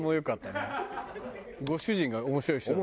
ご主人が面白い人だった。